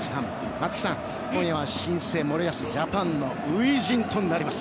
松木さん、今夜は新生森保ジャパンの初陣となります。